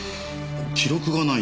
記録がない？